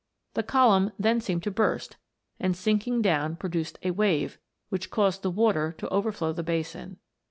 The column then seemed to burst, and sinking down produced a wave, which caused the water to overflow the basin.